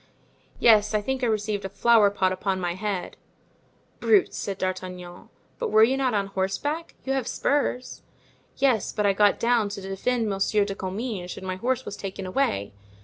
"Yes, I think I received a flower pot upon my head." "Brutes!" said D'Artagnan. "But were you not on horseback? you have spurs." "Yes, but I got down to defend Monsieur de Comminges and my horse was taken away.